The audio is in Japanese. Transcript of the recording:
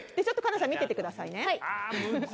ちょっと環奈さん見ててくださいね。